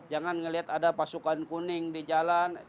jangan melihat ada pasukan kuning di jalan